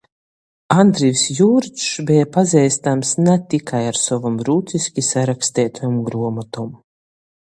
Andryvs Jūrdžs beja pazeistams na tikai ar sovom rūciski saraksteitajom gruomotom.